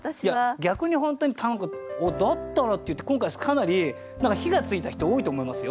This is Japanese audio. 逆に本当に「おっだったら」っていって今回かなり何か火がついた人多いと思いますよ。